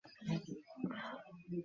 আমাকে বিশ্বাস করো!